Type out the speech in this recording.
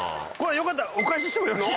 これよかったら。